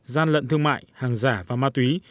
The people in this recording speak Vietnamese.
gian lận thương mại hàng giả và ma túy